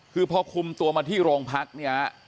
คือพอคุมตัวมาที่โรงพักเนี่ย